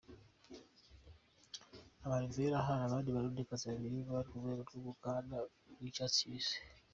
Nka Marvella, hari abandi barundikazi babiri bari ku rwego rw'umukanda w'icatsi kibisi.